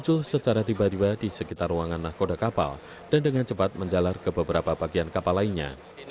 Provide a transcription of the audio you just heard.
muncul secara tiba tiba di sekitar ruangan nakoda kapal dan dengan cepat menjalar ke beberapa bagian kapal lainnya